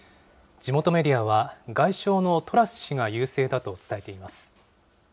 地元メディアは、外相のトラス氏が優勢だと伝えています。